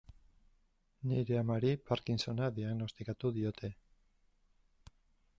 Nire amari Parkinsona diagnostikatu diote.